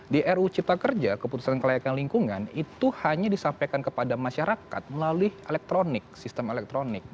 di ru cipta kerja keputusan kelayakan lingkungan itu hanya disampaikan kepada masyarakat melalui elektronik sistem elektronik